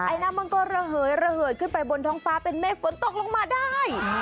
น้ำมันก็ระเหยระเหิดขึ้นไปบนท้องฟ้าเป็นเมฆฝนตกลงมาได้